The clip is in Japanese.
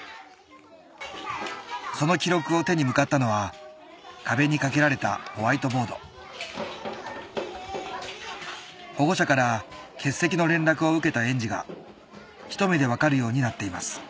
その記録を手に向かったのは壁に掛けられたホワイトボード保護者から欠席の連絡を受けた園児がひと目で分かるようになっています